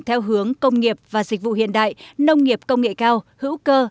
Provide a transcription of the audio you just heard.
theo hướng công nghiệp và dịch vụ hiện đại nông nghiệp công nghệ cao hữu cơ